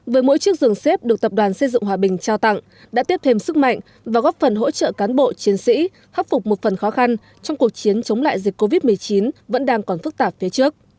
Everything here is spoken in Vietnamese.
với mỗi chiếc giường xếp được tập đoàn xây dựng hòa bình trao tặng đã tiếp thêm sức mạnh và góp phần hỗ trợ cán bộ chiến sĩ hấp phục một phần khó khăn trong cuộc chiến chống lại dịch covid một mươi chín vẫn đang còn phức tạp phía trước